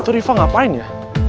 itu riva ngapain ya